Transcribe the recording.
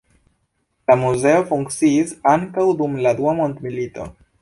La muzeo funkciis ankaŭ dum la dua mondmilito.